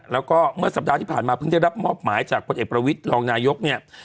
แล้วก็เมื่อสัปดาห์ที่ผ่านมาเพิ่งได้รับมอบหมายจากพลเอกประวิทย์รองนายกเนี่ย